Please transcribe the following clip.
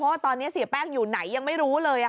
เพราะว่าตอนนี้เสียแป้งอยู่ไหนยังไม่รู้เลย